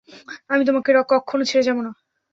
আমি তোমাকে কক্ষনো ছেড়ে যাবো না।